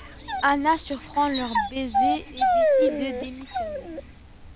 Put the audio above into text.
Ana surprend leur baiser et décide de démissionner.